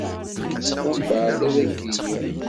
Umbɛed ad k-d-iniƔ.